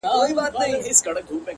وخت د غفلت تاوان زیاتوي